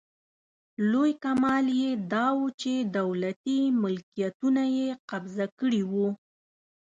لوی کمال یې داوو چې دولتي ملکیتونه یې قبضه کړي وو.